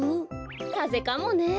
かぜかもね。